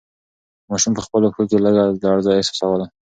ماشوم په خپلو پښو کې لږه لړزه احساسوله.